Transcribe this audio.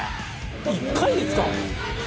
「１回で使うの？」